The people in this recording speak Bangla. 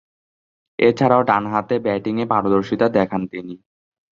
এছাড়াও ডানহাতে ব্যাটিংয়ে পারদর্শীতা দেখান তিনি।